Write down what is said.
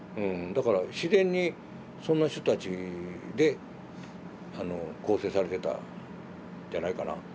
だから自然にそんな人たちで構成されてたんじゃないかな。